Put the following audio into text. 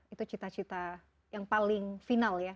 itu cita cita yang paling final ya